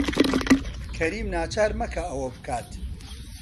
کەریم ناچار مەکە ئەوە بکات.